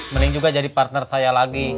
mending juga jadi partner saya lagi